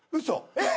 えっ！？